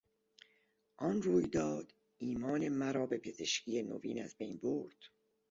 آن رویداد ایمان مرا به پزشکی نوین از بین برد.